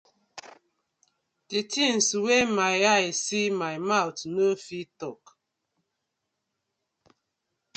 Di tinz wey my eye see my mouth no fit tok.